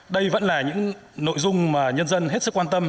đây vẫn là những nội dung mà nhân dân hết sức quan tâm